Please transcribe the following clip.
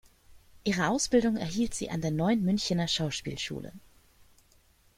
Ihre Ausbildung erhielt sie an der Neuen Münchner Schauspielschule.